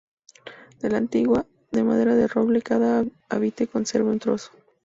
De la antigua, de madera de roble, cada habitante conserva un trozo.